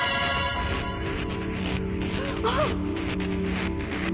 あっ！